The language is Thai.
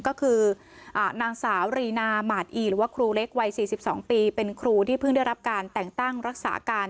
ก็คือนางสาวรีนาหมาดอีหรือว่าครูเล็กวัย๔๒ปีเป็นครูที่เพิ่งได้รับการแต่งตั้งรักษาการ